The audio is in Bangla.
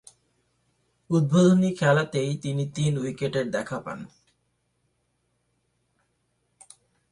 উদ্বোধনী খেলাতেই তিনি তিন উইকেটের দেখা পান।